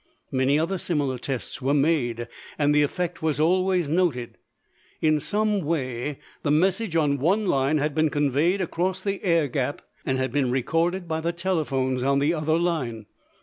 Many other similar tests were made and the effect was always noted. In some way the message on one line had been conveyed across the air gap and had been recorded by the telephones on the other line.